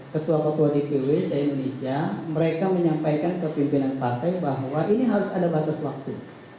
ketua ketua dpw se indonesia mereka menyampaikan ke pimpinan partai bahwa ini harus ada batas waktu